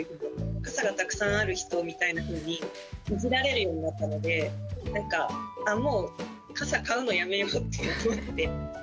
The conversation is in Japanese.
傘がたくさんある人みたいにいじられるようになったので、なんか、あっ、もう傘買うのをやめようって思って。